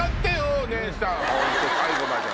最後まで。